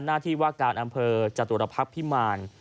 หน้าที่ว่าการอำเภอจตุรพักษ์พิมาร